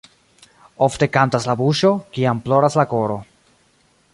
Ofte kantas la buŝo, kiam ploras la koro.